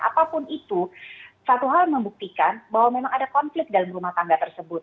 apapun itu satu hal membuktikan bahwa memang ada konflik dalam rumah tangga tersebut